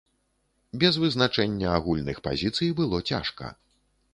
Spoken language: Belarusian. Без вызначэння агульных пазіцый было цяжка.